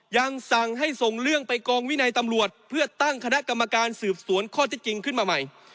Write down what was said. ยังสั่งให้ส่งเรื่องไปกองวินัยตำรวจเพื่อตั้งคณะกรรมการสืบสวนข้อที่จริงขึ้นมาใหม่